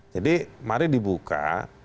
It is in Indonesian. jadi mari dibuka